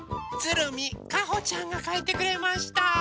つるみかほちゃんがかいてくれました。